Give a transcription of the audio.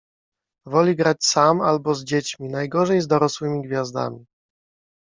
Woli grać sam albo z dziećmi, najgorzej z dorosłymi gwiazdami.